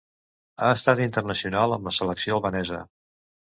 Ha estat internacional amb la selecció albanesa.